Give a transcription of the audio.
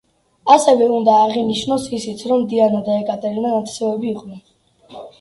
ასევე უნდა აღინიშნოს ისიც, რომ დიანა და ეკატერინე ნათესავები იყვნენ.